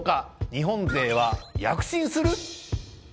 日本勢は躍進する？